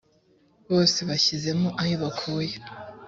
bose bashyizemo ayo bakuye